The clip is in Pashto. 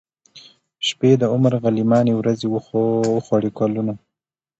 شپې د عمر غلیماني ورځي وخوړې کلونو